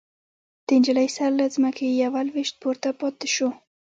د نجلۍ سر له ځمکې يوه لوېشت پورته پاتې شو.